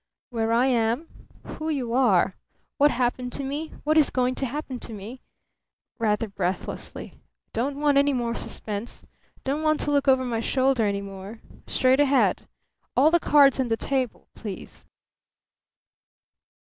"Where I am. Who you are. What happened to me. What is going to happen to me," rather breathlessly. "Don't want any more suspense. Don't want to look over my shoulder any more. Straight ahead. All the cards on the table, please."